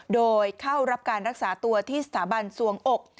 โดยเข้ารับการรักษาตัวที่สถาบันสวงอก